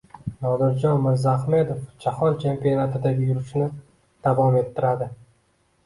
Nodirjon Mirzahmedov Jahon chempionatidagi yurishini davom ettiradi